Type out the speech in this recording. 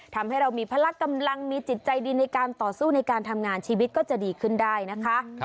ทำให้เรามีพละกำลังมีจิตใจดีในการต่อสู้ในการทำงานชีวิตก็จะดีขึ้นได้นะคะ